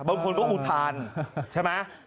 บางคนก็อุทานใช่ไหม